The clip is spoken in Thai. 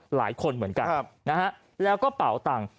หลายคนเหมือนกันนะฮะแล้วก็เป่าตังค์